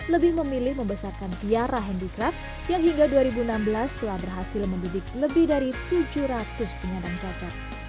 lebih memilih membesarkan tiara handicraft yang hingga dua ribu enam belas telah berhasil mendidik lebih dari tujuh ratus penyandang cacat